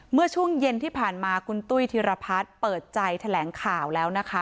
เมื่อช่วงเย็นที่ผ่านมาคุณตุ้ยธิรพัฒน์เปิดใจแถลงข่าวแล้วนะคะ